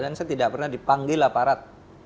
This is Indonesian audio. dan saya tidak pernah dipanggil aparat